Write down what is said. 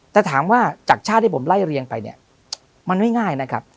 แต่ถามว่าจากชาติที่ผมไล่เรียงไปเนี่ยมันไม่ง่ายนะครับ